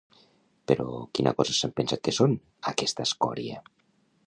Però quina cosa s'han pensat que són, aquesta escòria?